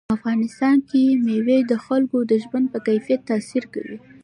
په افغانستان کې مېوې د خلکو د ژوند په کیفیت تاثیر کوي.